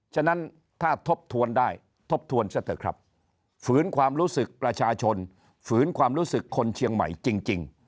ฉะนั้นถ้าทบทวนได้ทบทวนซะเถอะครับฝืนความรู้สึกประชาชนฝืนความรู้สึกคนเชียงใหม่จริง